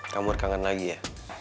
kamu udah kangen lagi ya